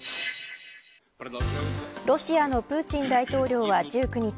ロシアのプーチン大統領は１９日